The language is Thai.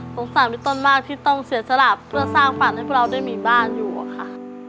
สามพี่ต้นมากที่ต้องเสียสละเพื่อสร้างฝันให้พวกเราได้มีบ้านอยู่อะค่ะ